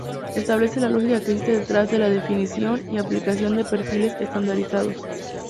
Establece la lógica que existe detrás de la definición y aplicación de perfiles estandarizados.